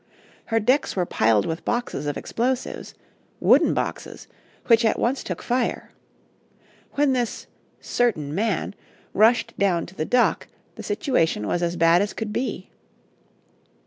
Her decks were piled with boxes of explosives wooden boxes, which at once took fire. When this "certain man" rushed down to the dock, the situation was as bad as could be.